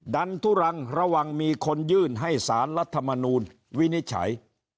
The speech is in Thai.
ดันทุรังระวังมีคนยื่นให้สารรัฐมนูลวินิจฉัย